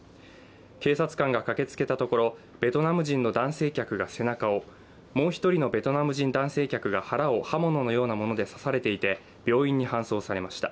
警察官が駆けつけたところ、ベトナム人の男性客が背中をもう１人のベトナム人男性客が腹を刃物のようなもので刺されていて病院に搬送されました。